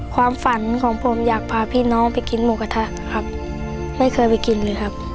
ความฝันของผมอยากพาพี่น้องไปกินหมูกระทะครับไม่เคยไปกินเลยครับ